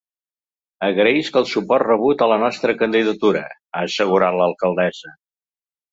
“Agraïsc el suport rebut a la nostra candidatura”, ha assegurat l’alcaldessa.